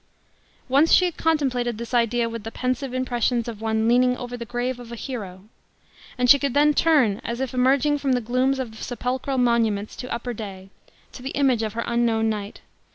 Once she had contemplated this idea with the pensive impressions of one leaning over the grave of a hero; and she could then turn as if emerging from the glooms of sepulchral monuments to upper day, to the image of her unknown knight!